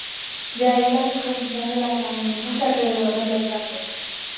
De ahí la disposición de las laminillas alrededor de los vasos.